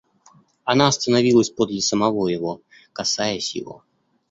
Она остановилась подле самого его, касаясь его.